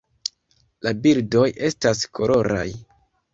La bildoj estas koloraj.